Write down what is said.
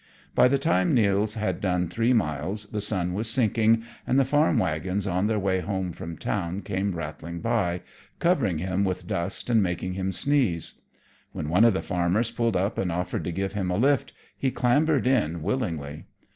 By the time Nils had done three miles, the sun was sinking and the farm wagons on their way home from town came rattling by, covering him with dust and making him sneeze. When one of the farmers pulled up and offered to give him a lift, he clambered in willingly.